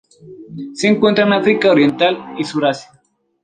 Se encuentra en África oriental y Sur de Asia.